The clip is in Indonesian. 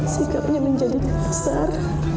sikapnya menjadi besar